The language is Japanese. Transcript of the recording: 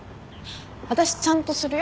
私ちゃんとするよ？